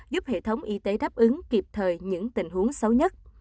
giúp hệ thống y tế đáp ứng kịp thời những tình huống xấu nhất